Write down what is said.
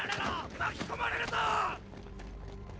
巻き込まれるぞ！！